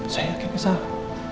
saya yakin ini salah